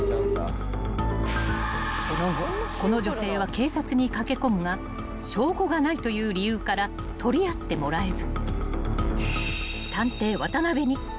［その後この女性は警察に駆け込むが証拠がないという理由から取り合ってもらえず］